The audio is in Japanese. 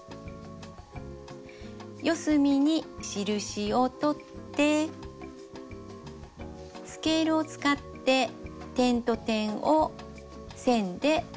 四隅に印をとってスケールを使って点と点を線でつなぎます。